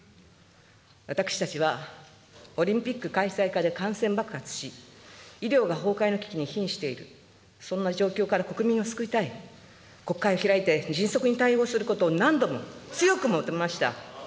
私たちはオリンピック開催下で感染爆発し、医療が崩壊の危機にひんしている、そんな状況から国民を救いたい、国会を開いて迅速に対応することを何度も強く求めました。